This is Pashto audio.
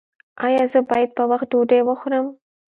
ایا زه باید په وخت ډوډۍ وخورم؟